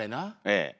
ええ。